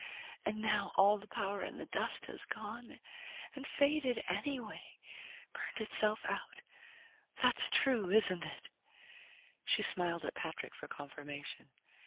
And now all the power in the dust has gone and faded, anyway, burned itself out. That's true, isn't it?" She smiled at Patrick for confirmation.